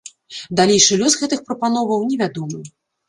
Далейшы лёс гэтых прапановаў невядомы.